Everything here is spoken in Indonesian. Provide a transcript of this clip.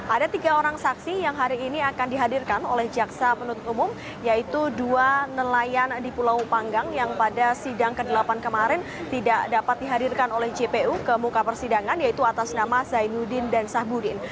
ada tiga orang saksi yang hari ini akan dihadirkan oleh jaksa penuntut umum yaitu dua nelayan di pulau panggang yang pada sidang ke delapan kemarin tidak dapat dihadirkan oleh jpu ke muka persidangan yaitu atas nama zainuddin dan sahbudin